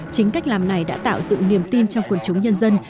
chính cách làm này đã tạo dựng niềm tin trong quần chúng nhân dân